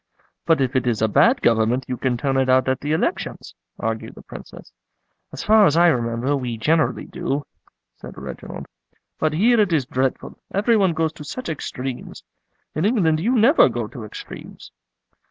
"But if it is a bad Government you can turn it out at the elections," argued the Princess. "As far as I remember, we generally do," said Reginald. "But here it is dreadful, every one goes to such extremes. In England you never go to extremes."